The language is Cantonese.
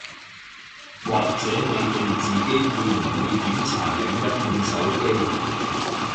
或者你哋自己會唔會檢查另一半手機